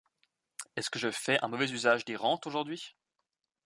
Est-ce que je fais un mauvais usage des rentes, aujourd’hui ?